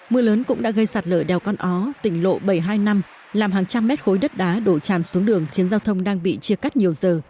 mưa lớn cũng đã gây sạt lở đèo con ó tỉnh lộ bảy trăm hai mươi năm làm hàng trăm mét khối đất đá đổ tràn xuống đường khiến giao thông đang bị chia cắt nhiều giờ